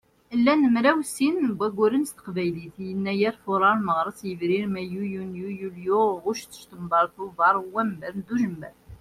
Llan mraw sin n wagguren s teqbaylit: Yennayer, Fuṛar, Meɣres, Yebrir, Mayyu, Yunyu, Yulyu, Ɣuct, Ctamber, Tuber, Wamber, Dujember.